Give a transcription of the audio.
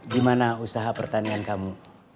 gimana usaha pertanian kamu